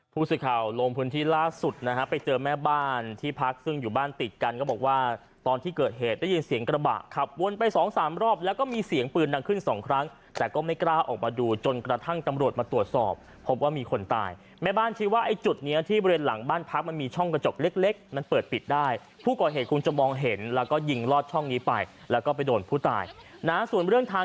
ผู้สุดข่าวโรงพื้นที่ล่าสุดนะฮะไปเจอแม่บ้านที่พักซึ่งอยู่บ้านติดกันก็บอกว่าตอนที่เกิดเหตุได้ยินเสียงกระบะขับวนไปสองสามรอบแล้วก็มีเสียงปืนดังขึ้น๒ครั้งแต่ก็ไม่กล้าออกมาดูจนกระทั่งตำรวจมาตรวจสอบพบว่ามีคนตายแม่บ้านชีว่าไอ้จุดเนี้ยที่บริเวณหลังบ้านพักมันมีช่องกระ